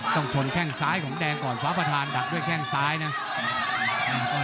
ต้องชนแข้งซ้ายของแดงก่อนฟ้าประธานดักด้วยแข้งซ้ายนะ